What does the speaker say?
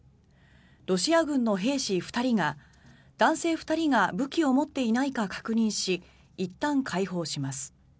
ロシア軍の兵士２人が男性２人が武器を持っていないか確認しいったん解放します。